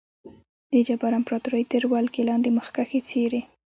د جاپان امپراتورۍ تر ولکې لاندې مخکښې څېرې.